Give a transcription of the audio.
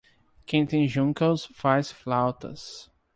Quem tem juncos faz flautas.